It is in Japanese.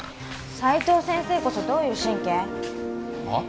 斉藤先生こそどういう神経？はッ？